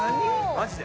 マジで？